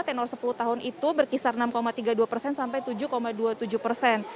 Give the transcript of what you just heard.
tenor sepuluh tahun itu berkisar enam tiga puluh dua persen sampai tujuh dua puluh tujuh persen